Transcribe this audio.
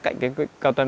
cạnh cái container